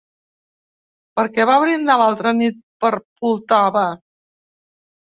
Per què va brindar l'altra nit per Poltava?